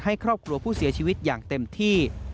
ให้ครอบครัวผู้เสียชีวิตอย่างเต็มที่